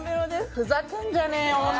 ふざけんじゃねえよ。